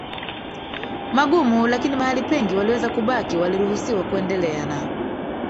magumu lakini mahali pengi waliweza kubaki Waliruhusiwa kuendelea na